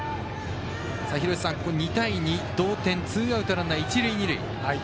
２対２、同点ツーアウト、ランナー、一塁二塁。